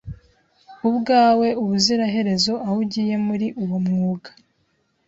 ubwawe ubuziraherezo aho ugiye muri uwo mwuga